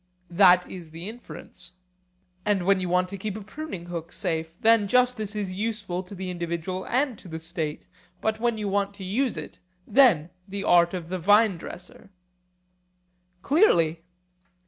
That is the inference. And when you want to keep a pruning hook safe, then justice is useful to the individual and to the state; but when you want to use it, then the art of the vine dresser? Clearly.